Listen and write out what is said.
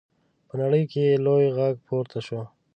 په نړۍ کې یې لوی غږ پورته شو.